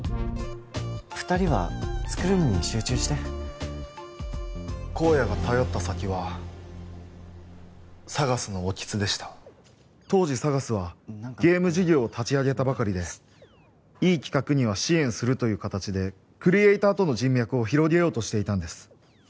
二人は作るのに集中して公哉が頼った先は ＳＡＧＡＳ の興津でした当時 ＳＡＧＡＳ はゲーム事業を立ち上げたばかりでいい企画には支援するという形でクリエイターとの人脈を広げようとしていたんです